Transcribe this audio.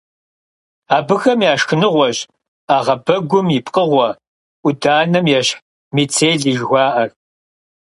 Абыхэм я шхыныгъуэщ ӏэгъэбэгум и пкъыгъуэ, ӏуданэм ещхь, мицелий жыхуаӏэр.